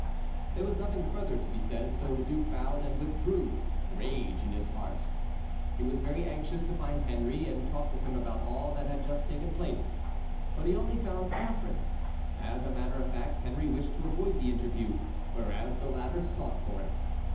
There was nothing further to be said, so the duke bowed and withdrew, rage in his heart. He was very anxious to find Henry and talk with him about all that had just taken place; but he found only Catharine. As a matter of fact, Henry wished to avoid the interview, whereas the latter sought for it.